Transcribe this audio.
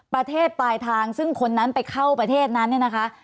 ปลายทางซึ่งคนนั้นไปเข้าประเทศนั้นเนี่ยนะคะ